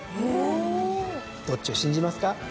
どっちを信じますか？